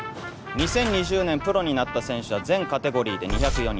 ２０２０年プロになった選手は全カテゴリーで２０４人。